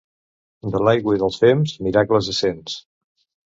De l'aigua i dels fems, miracles a cents.